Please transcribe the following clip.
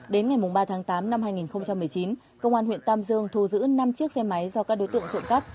đến ngày ba tháng tám năm hai nghìn một mươi chín công an huyện tam dương thu giữ năm chiếc xe máy do các đối tượng trộm cắp